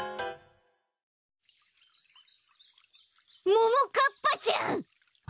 ももかっぱちゃん！